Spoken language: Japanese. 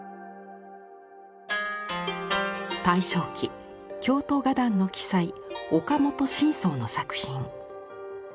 大正期京都画壇の鬼才岡本神草の作品。